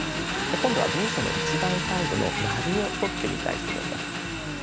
今度は文章の一番最後の「。」を取ってみたいと思います。